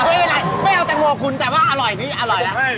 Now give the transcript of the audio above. เอามั้นไม่อะไรไม่เอาแต่งโมคุ้นแต่ว่าอร่อยนี่อร่อยนะ